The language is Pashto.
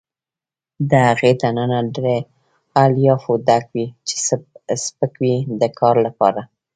د هغې دننه له الیافو ډک وي چې سپک وي د کار لپاره.